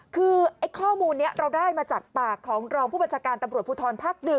คือข้อมูลนี้เราได้มาจากปากของรองผู้บัญชาการตำรวจภูทรภาค๑